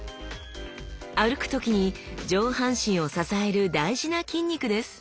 歩く時に上半身を支える大事な筋肉です！